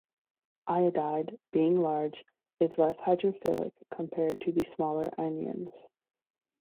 Iodide, being large, is less hydrophilic compared to the smaller anions.